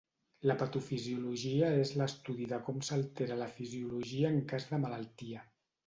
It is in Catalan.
La patofisiologia és l'estudi de com s'altera la fisiologia en cas de malaltia.